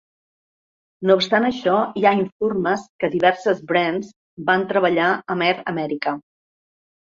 No obstant això, hi ha informes que diverses "Wrens" van treballar amb "Air America".